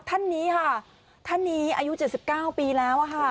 ท่านนี้ค่ะท่านนี้อายุ๗๙ปีแล้วค่ะ